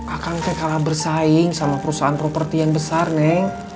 akang teh kalah bersaing sama perusahaan properti yang besar neng